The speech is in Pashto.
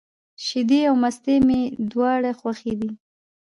شیدې او مستې مي دواړي خوښي دي.